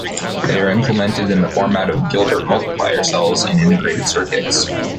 They are implemented in the format of "Gilbert multiplier cells" in integrated circuits.